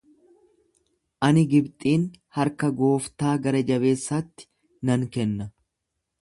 Ani Gibxiin harka gooftaa gara-jabeessaatti nan kenna.